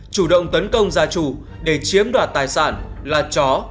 chủ động tấn công gia chủ để chiếm đoạt tài sản là chó